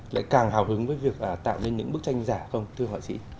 lại càng hào hứng với việc tạo nên những bức tranh giả không thưa họa sĩ